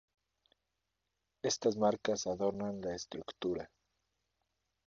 Estas marcas adornan la estructura.